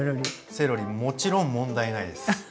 セロリもちろん問題ないです！